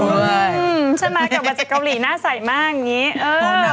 เห็นมั้ยเขาพูดถึงพี่มดแล้วล่ะ